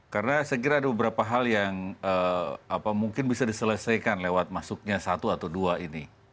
karena saya kira ada beberapa hal yang mungkin bisa diselesaikan lewat masuknya satu atau dua ini